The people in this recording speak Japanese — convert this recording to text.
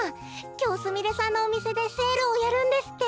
きょうすみれさんのおみせでセールをやるんですって。